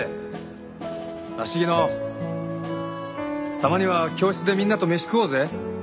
たまには教室でみんなと飯食おうぜ。